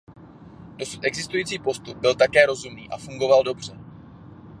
Dosud existující postup byl také rozumný a fungoval dobře.